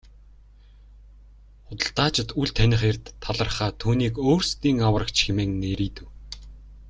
Худалдаачид үл таних эрд талархаад түүнийг өөрсдийн аврагч хэмээн нэрийдэв.